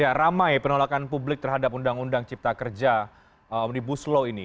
ya ramai penolakan publik terhadap undang undang cipta kerja omnibus law ini